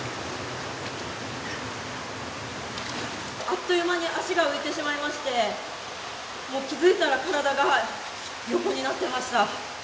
あっという間に足が浮いてしまいまして、もう気付いたら、体が横になってました。